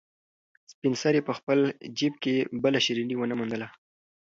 سپین سرې په خپل جېب کې بله شيرني ونه موندله.